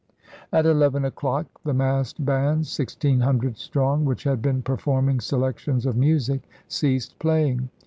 At eleven o'clock the massed bands, sixteen hundred strong, which had been performing selections of music, ceased playing.